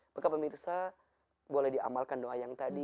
maka pemirsa boleh diamalkan doa yang tadi